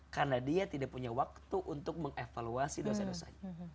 karena dia tidak punya waktu untuk mengevaluasi dosa dosanya